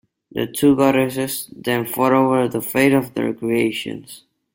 The two goddesses then fought over the fate of their creations.